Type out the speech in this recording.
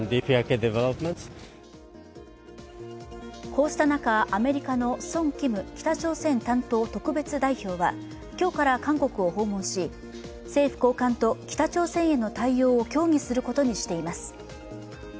こうした中、アメリカのソン・キム北朝鮮担当特別代表は今日から韓国を訪問し、政府高官と北朝鮮への対応を協議することにしています。